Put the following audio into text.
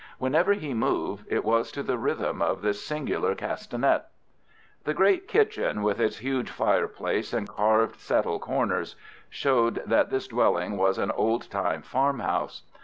Whenever he moved it was to the rhythm of this singular castanet. The great kitchen, with its huge fireplace and carved settle corners, showed that this dwelling was an old time farmhouse.